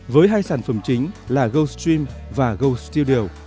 với hai sản phẩm chính là goldstream và goldstudio